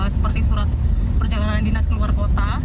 seperti surat perjalanan dinas ke luar kota